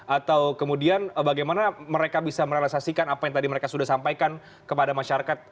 atau kemudian bagaimana mereka bisa merealisasikan apa yang tadi mereka sudah sampaikan kepada masyarakat